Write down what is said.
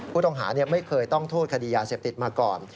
ผู้ต้องหาไม่เคยต้องโทษคดียาเสพติดมาก่อน